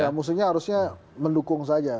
ya musuhnya harusnya mendukung saja